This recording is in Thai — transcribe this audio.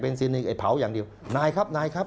ซีหนึ่งไอ้เผาอย่างเดียวนายครับนายครับ